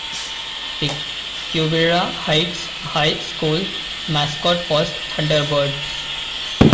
The Quivira Heights High School mascot was Thunderbirds.